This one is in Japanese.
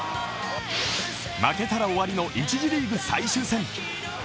負けたら終わりの１次リーグ最終戦。